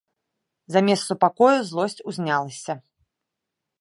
Замест супакою злосць узнялася.